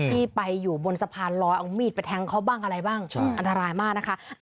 ที่ไปอยู่บนสะพานลอยเอามีดไปแทงเขาบ้างอะไรบ้างอันตรายมากนะคะ